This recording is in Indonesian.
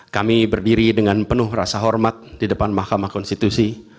kami berdiri dengan penuh rasa hormat di depan mahkamah konstitusi